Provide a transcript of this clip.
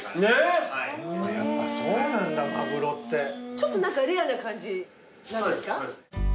ちょっと何かレアな感じなんですか？